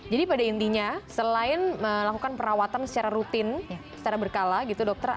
jadi pada intinya selain melakukan perawatan secara rutin secara berkala gitu dokter